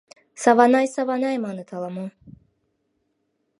Саванай Саванай, маныт ала-мо.